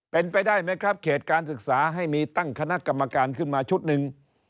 เป็นไปได้ไหมครับเขตการศึกษาให้มีตั้งคณะกรรมการขึ้นมาชุดหนึ่ง